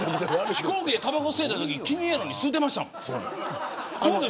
飛行機でたばこ吸えたとき禁煙やのに吸ってましたもん。